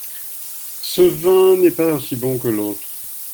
Ce vin n'est pas aussi bon que l'autre.